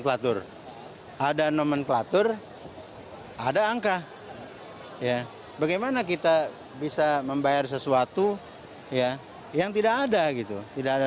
terima kasih ada nomenklatur ada angka ya bagaimana kita bisa membayar sesuatu ya yang tidak ada gitu tidak ada